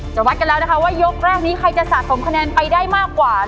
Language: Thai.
วัดกันแล้วนะคะว่ายกแรกนี้ใครจะสะสมคะแนนไปได้มากกว่า